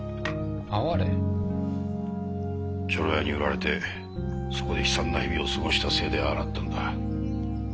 女郎屋に売られてそこで悲惨な日々を過ごしたせいでああなったんだ。